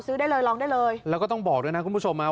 ได้เลยลองได้เลยแล้วก็ต้องบอกด้วยนะคุณผู้ชมฮะ